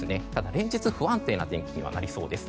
連日、不安定な天気にはなりそうです。